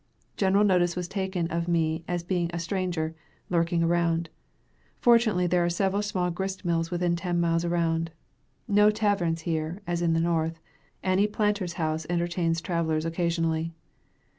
General notice was taken of me as being a stranger, lurking around. Fortunately there are several small grist mills within ten miles around. No taverns here, as in the North; any planter's house entertains travelers occasionally.